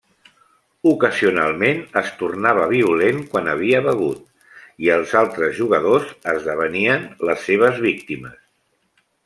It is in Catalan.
Ocasionalment es tornava violent quan havia begut, i els altres jugadors esdevenien les seves víctimes.